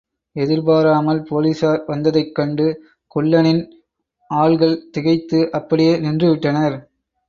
எதிர்பாராமல் போலீசார் வந்ததைக் கண்டு குள்ளனின் ஆள்கள் திகைத்து அப்படியே நின்றுவிட்டனர்.